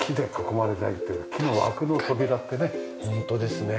木の枠の扉ってねいいですよね。